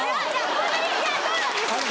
ホントにいやそうなんですよ。